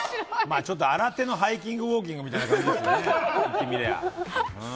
ちょっと新手のハイキングウォーキングみたいですね。